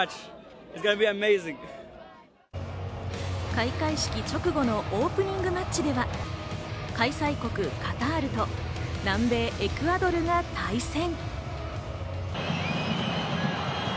開会式直後のオープニングマッチでは、開催国カタールと南米・エクアドルが対戦。